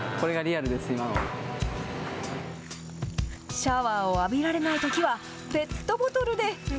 シャワーを浴びられないときは、ペットボトルで。